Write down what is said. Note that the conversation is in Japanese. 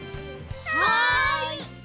はい！